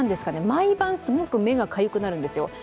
毎晩、すごく目がかゆくなるんですよ。